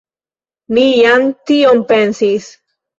Mi jam tion pensis.